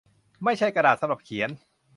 ไม่ใช่กระดาษสำหรับเขียน